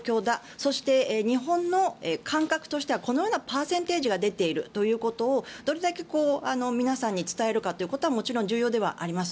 そして、日本の感覚としてはこのようなパーセンテージが出ているということをどれだけ皆さんに伝えるかということはもちろん重要ではあります。